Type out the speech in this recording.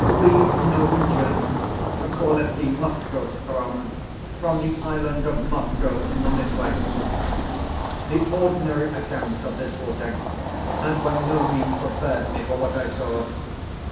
"We Norwegians call it the Moskoe ström, from the island of Moskoe in the midway." The ordinary accounts of this vortex had by no means prepared me for what I saw.